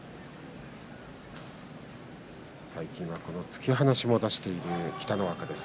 最近は突き放しも出している北の若。